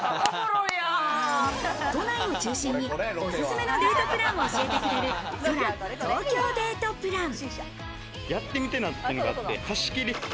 都内を中心に、おすすめのデートプランを教えてくれる「そら｜東京デートプラン」。